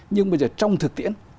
nhưng bây giờ trong thực tiễn